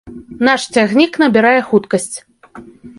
Наш цягнік набірае хуткасць.